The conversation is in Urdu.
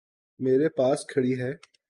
میرے پاس کھڑی ہے۔